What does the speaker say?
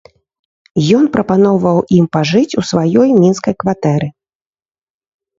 Ён прапаноўваў ім пажыць у сваёй мінскай кватэры.